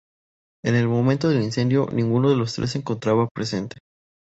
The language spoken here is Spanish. En el momento del incendio, ninguno de los tres se encontraba presente.